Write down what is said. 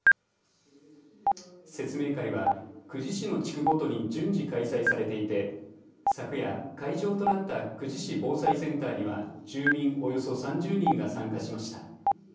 説明会は久慈市の地区ごとに順次開催されていて昨夜会場となった久慈市防災センターには住民およそ３０人が参加しました。